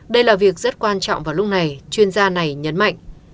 đây là việc rất quan trọng vào lúc này chuyên gia này nhấn mạnh